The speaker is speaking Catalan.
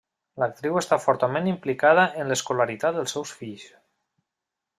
L'actriu està fortament implicada en l'escolaritat dels seus fills.